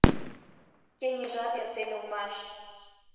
Кеҥежат эртен улмаш.